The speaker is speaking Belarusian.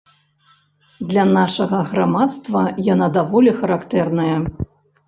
Для нашага грамадства яна даволі характэрная.